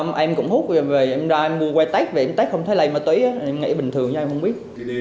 dạ em cũng hút em ra em mua quay text em text không thấy lấy ma túy em nghĩ bình thường nhưng em không biết